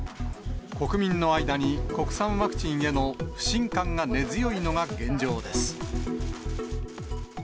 国民の間に国産ワクチンへの不信感が根強いのが現状です。